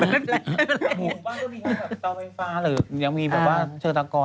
บ้างต้องกลับกับไฟฟ้าหรือยังมีแบบว่าเชอราโกร